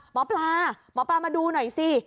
หมอปลาหมอปลามาดูหน่อยสิ